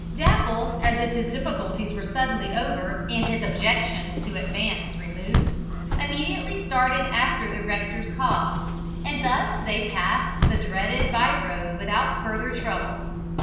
Dapple, as if his difficulties were suddenly over, and his objections to advance removed, immediately started after the rector's cob, and thus they passed the dreaded by road without further trouble.